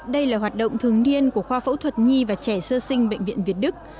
đây là hoạt động thường niên của khoa phẫu thuật nhi và trẻ sơ sinh bệnh viện việt đức